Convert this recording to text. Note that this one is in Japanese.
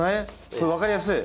これ分かりやすい！